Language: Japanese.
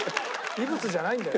異物じゃないんだよ。